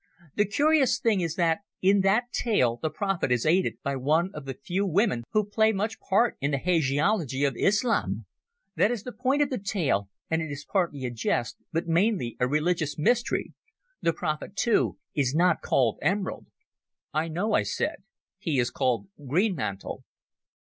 The curious thing is that in that tale the prophet is aided by one of the few women who play much part in the hagiology of Islam. That is the point of the tale, and it is partly a jest, but mainly a religious mystery. The prophet, too, is not called Emerald." "I know," I said; "he is called Greenmantle."